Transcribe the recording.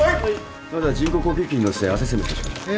まずは人工呼吸器に乗せてアセスメントしましょう。